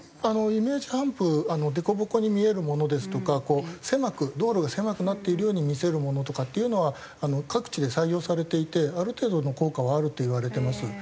イメージハンプ凸凹に見えるものですとか狭く道路が狭くなっているように見せるものとかっていうのは各地で採用されていてある程度の効果はあるといわれてます。